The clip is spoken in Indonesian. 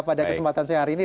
pada kesempatan saya hari ini